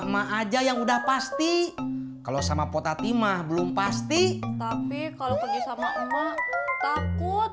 emak aja yang udah pasti kalau sama potati mah belum pasti tapi kalau kerja sama emak takut